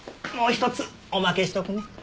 もう一つおまけしとくね。